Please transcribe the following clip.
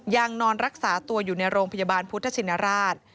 ยังนอนรักษาตัวอยู่ในโรงพยาบาลพุทธชินราช